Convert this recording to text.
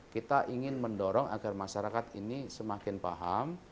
kita ingin mendorong agar masyarakat ini semakin paham